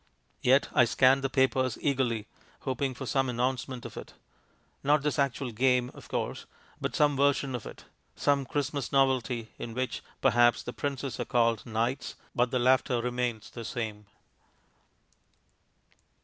Yet I scan the papers eagerly, hoping for some announcement of it. Not this actual game, of course, but some version of it; some "Christmas novelty," in which, perhaps, the princes are called knights, but the laughter remains the same.